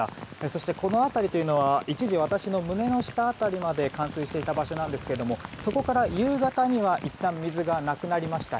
そしてこの辺りは一時私の胸の下辺りまで冠水していた場所なんですけどもそこから夕方にはいったん水がなくなりました。